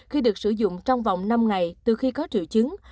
khi được sử dụng trong vòng năm ngày từ khi có triệu chứng